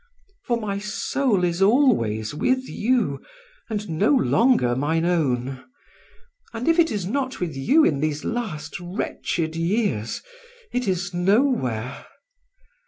For my soul is always with you and no longer mine own. And if it is not with you in these last wretched years, it is nowhere.